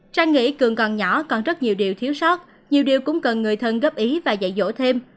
trang nghĩ cường còn nhỏ còn rất nhiều điều thiếu sót nhiều điều cũng cần người thân góp ý và dạy dỗ thêm